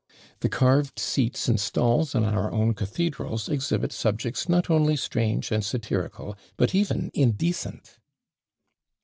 The carved seats and stalls in our own cathedrals exhibit subjects not only strange and satirical, but even indecent.